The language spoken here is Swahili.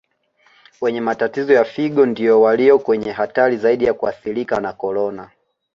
Wenye matatizo ya Figo ndiyo walio kwenye hatari zaidi ya kuathirika na Corona